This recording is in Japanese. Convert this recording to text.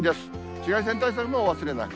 紫外線対策もお忘れなく。